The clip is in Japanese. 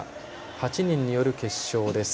８人による決勝です。